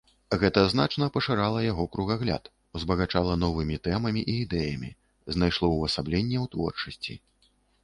Гэта значна пашырала яго кругагляд, узбагачала новымі тэмамі і ідэямі, знайшло ўвасабленне ў творчасці.